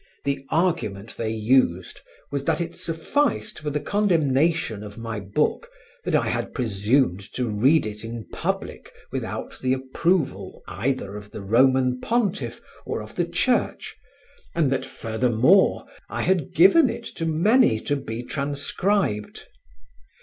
The argument they used was that it sufficed for the condemnation of my book that I had presumed to read it in public without the approval either of the Roman pontiff or of the Church, and that, furthermore, I had given it to many to be transcribed.